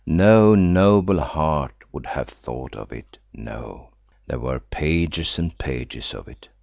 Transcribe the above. No noble heart would have thought of it. No.'" There were pages and pages of it.